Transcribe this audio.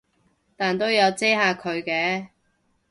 但都有遮下佢嘅